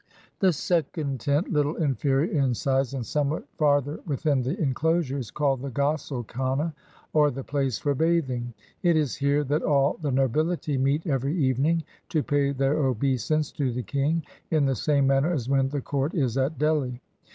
The second tent, Kttle inferior in size and somewhat farther within the inclosure, is called the gosle kane, or the place for bathing. It is here that all the nobility meet every evening to pay their obeisance to the king, in the same manner as when the court is at Delhi.